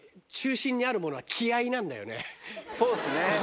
そうっすね。